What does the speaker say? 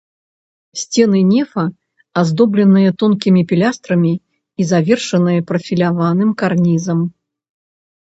Сцены нефа аздобленыя тонкімі пілястрамі і завершаныя прафіляваным карнізам.